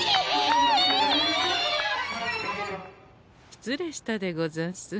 失礼したでござんす。